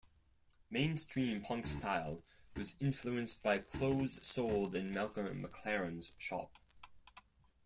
Mainstream punk style was influenced by clothes sold in Malcolm McLaren's shop.